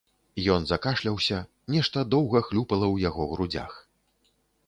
Ён закашляўся, нешта доўга хлюпала ў яго грудзях.